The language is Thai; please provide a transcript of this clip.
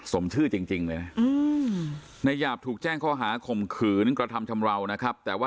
สมชื่อจริงเลย